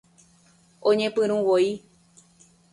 Oñepyrũ voi